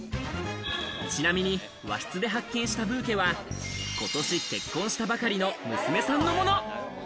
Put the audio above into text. ちなみに和室で発見したブーケはことし結婚したばかりの娘さんのもの。